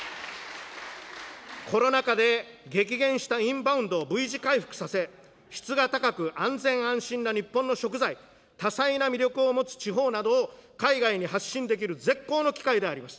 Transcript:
コロナ禍で激減したインバウンドをＶ字回復させ、質が高く、安全・安心な日本の食材、多彩な魅力を持つ地方などを、海外に発信できる絶好の機会であります。